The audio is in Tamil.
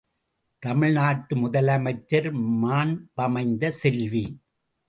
தமிழ்நாட்டு முதலமைச்சர் மாண் பமைந்த செல்வி.